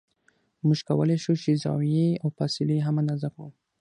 موږ کولای شو چې زاویې او فاصلې هم اندازه کړو